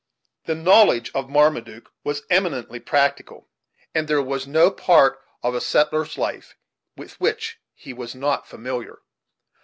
The knowledge of Marmaduke was eminently practical, and there was no part of a settler's life with which he was not familiar.